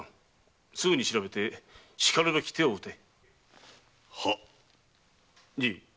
すぐ調べてしかるべき手をうてじぃ。